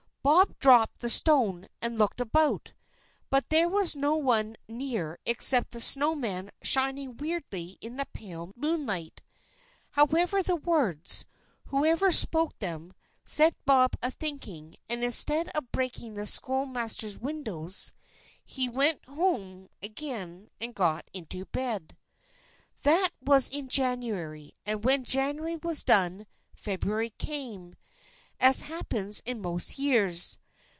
Bob dropped the stone and looked about, but there was no one near except the snow man shining weirdly in the pale moonlight. However, the words, whoever spoke them, set Bob a thinking, and instead of breaking the schoolmaster's windows, he went home again and got into bed. That was in January, and when January was done February came, as happens in most years.